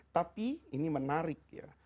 tapi ini menarik ya